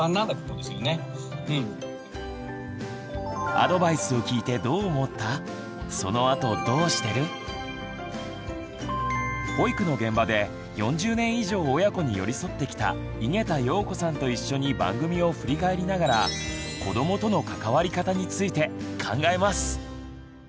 アドバイスを聞いて保育の現場で４０年以上親子に寄り添ってきた井桁容子さんと一緒に番組を振り返りながら子どもとの関わり方について考えます。